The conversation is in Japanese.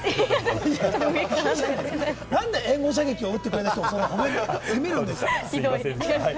何で援護射撃を撃ってくれる人を褒めるんですか？